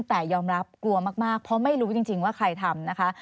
แต่ยอมรับกลัวมากเพราะไม่รู้จริงว่าใครทำนะคะ